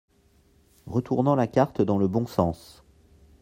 Retournant la carte dans le bons sens.